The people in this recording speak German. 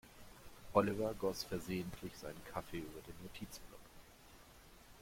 Oliver goss versehentlich seinen Kaffee über den Notizblock.